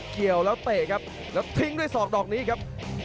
เกี่ยวแล้วเตะครับแล้วทิ้งด้วยศอกดอกนี้ครับ